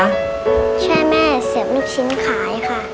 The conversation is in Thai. ช่วยแม่เสียบลูกชิ้นขายค่ะ